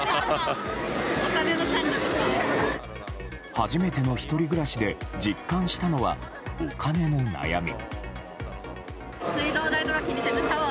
初めての１人暮らしで実感したのは、お金の悩み。